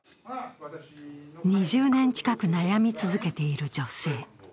２０年近く、悩み続けている女性。